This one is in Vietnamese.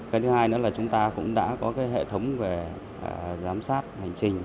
cái thứ hai nữa là chúng ta cũng đã có hệ thống giám sát hành trình